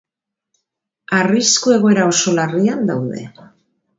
Arrisku egoera oso larrian daude.